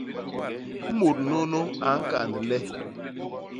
Mut nunu a ñkand le!